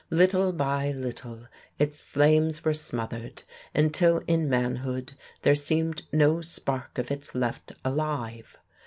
Little by little its flames were smothered until in manhood there seemed no spark of it left alive.